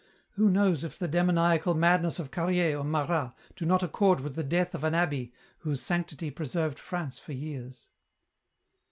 Who knows if the demoniacal madness of Carrier or Marat do not accord with the death of an abbey whose sanctity preserved France for years."